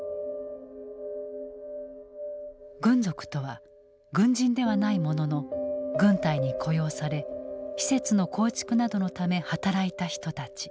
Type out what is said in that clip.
軍属とは軍人ではないものの軍隊に雇用され施設の構築などのため働いた人たち。